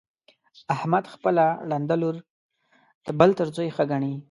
احمد خپله ړنده لور د بل تر زوی ښه ګڼي.